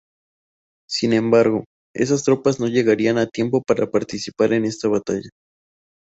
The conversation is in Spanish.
Sin embargo, esas tropas no llegarían a tiempo para participar en esta batalla.